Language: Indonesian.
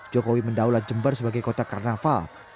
jokowi mendaulat jember sebagai kota karnaval